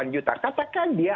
delapan juta katakan dia